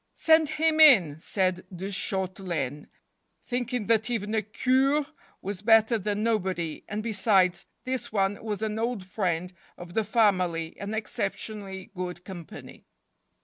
" Send him in," said de Shautelaine, thinking that even a Cure was better than nobody, and, besides, this one was an old friend of the family and excep¬ tionally good company.